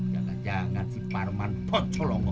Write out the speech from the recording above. jangan jangan si parman potcolongan